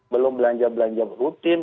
belum belanja belanja rutin